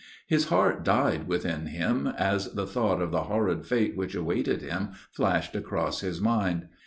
His heart died within him, as the thought of the horrid fate which awaited him flashed across his mind.